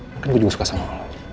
mungkin gua juga suka sama lu